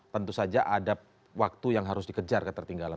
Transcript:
tentu saja ada waktu yang harus dikejar ketertinggalan